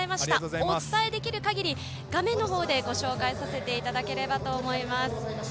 お伝えできるかぎり画面のほうでご紹介させていただければと思います。